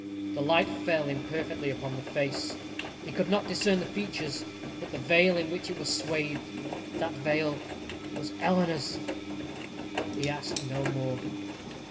The light fell imperfectly upon the face; he could not discern the features, but the veil in which it was swathed: that veil was Eleanor's! He asked no more.